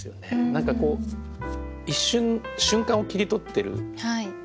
何かこう一瞬瞬間を切り取ってるじゃないですか。